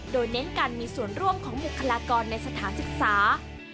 โดยเน้นการมีส่วนร่วมของบุคลากรในสถานศึกษา